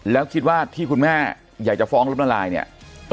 แล้วคิดว่าที่คุณแม่อยากจะฟ้องล้มละลายเนี่ย